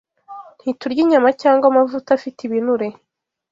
Ntiturya inyama cyangwa amavuta afite ibinure